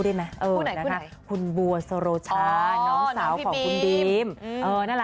ได้มั้ยเออนะคะคุณบัวสโรชาอ๋อน้องสาวของคุณเออนั่นล่ะ